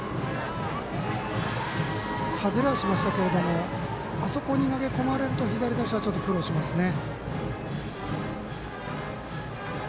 外れはしましたけれどもあそこに投げ込まれると左打者はちょっと苦労しますね。